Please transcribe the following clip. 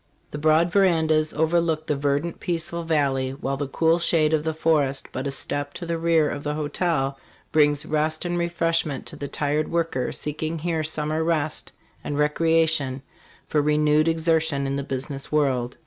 The broad verandas overlook the verdant, peaceful valley, while the cool shade of the forest but a step to the rear of the hotel brings rest and refreshment to the tired worker seeking here summer rest and recre ation for renewed exertion in the business world.